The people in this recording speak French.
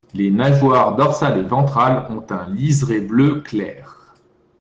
Les nageoires dorsales et ventrales ont un liseré bleu clair.